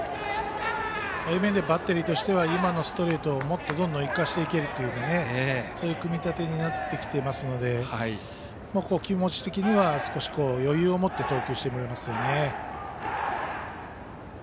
そういう面ではバッテリーとしては今のストレートをもっと、どんどん生かしていけるというそういう組み立てになってきてますので気持ち的には余裕を持って